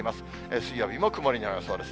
水曜日も曇りの予想です。